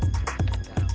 tante ini sudah beres